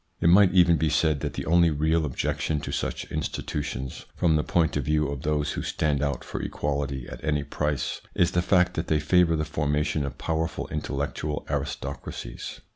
It might even be said that the only real objection to such institutions, from the point of view of those who stand out for equality at any price, is the fact that they favour the formation of powerful intellectual aristocracies.